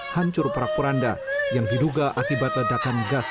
hancur porak poranda yang diduga akibat ledakan gas tiga kg